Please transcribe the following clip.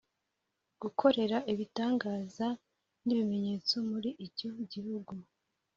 gukorera ibitangaza n’ibimenyetso muri icyo gihugu